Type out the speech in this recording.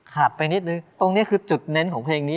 ไทยเข้าครอบครอปฏิเสธมากแล้วก็ถ้ามีจุดที่ติแค่จุดเดียวหนึ่งแล้วไปจุดที่